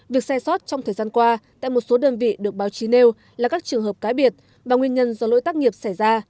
việc sai sót trong thời gian qua tại một số đơn vị được báo chí nêu là các trường hợp cái biệt và nguyên nhân do lỗi tác nghiệp xảy ra